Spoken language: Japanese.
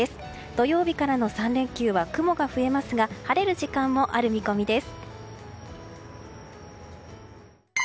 土曜日からの３連休は雲が増えますが晴れる時間もある見込みです。